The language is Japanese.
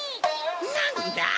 なんだ？